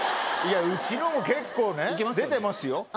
いやうちのも結構ね出てますよ。